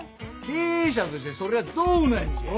経営者としてそれはどうなんじゃ！